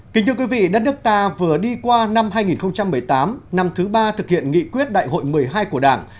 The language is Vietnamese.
kính thưa quý vị đất nước ta vừa đi qua năm hai nghìn một mươi tám năm thứ ba thực hiện nghị quyết đại hội một mươi hai của đảng